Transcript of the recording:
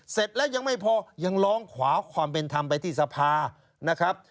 เสร็จแล้วยังไม่พอยังร้องขวาความเป็นธรรมไปที่สภานะครับ